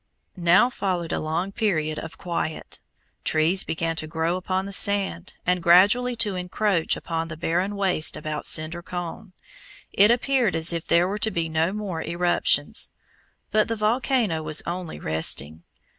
Now followed a long period of quiet. Trees began to grow upon the sand and gradually to encroach upon the barren wastes about Cinder Cone. It appeared as if there were to be no more eruptions. But the volcano was only resting.